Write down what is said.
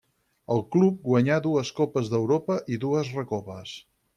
El club guanyà dues Copes d'Europa i dues Recopes.